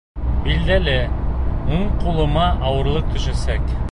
Билдәле, уң ҡулыма ауырлыҡ төшәсәк.